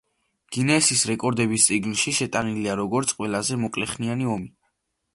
გინესის რეკორდების წიგნში შეტანილია როგორც ყველაზე მოკლეხნიანი ომი.